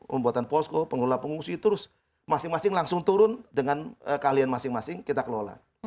pembuatan posko pengelola pengungsi terus masing masing langsung turun dengan keahlian masing masing kita kelola